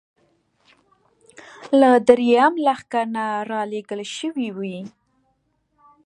له درېیم لښکر نه را لېږل شوې وې.